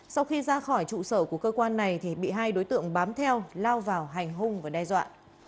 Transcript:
sau khi ra khỏi trụ sở của cơ quan này thì bị hai đối tượng bám theo lao vào hành hung và đe dọa